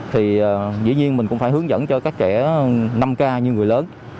thì dĩ nhiên mình cũng phải hướng dẫn cho các trẻ năm k như người lớn